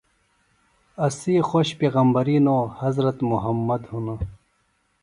اسی خوش پیغمبری نو حضرت مُحمد ہِنوۡ۔